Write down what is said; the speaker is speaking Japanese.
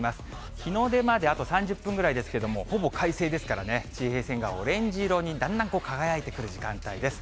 日の出まであと３０分くらいですけれども、ほぼ快晴ですからね、地平線がオレンジ色にだんだん輝いてくる時間帯です。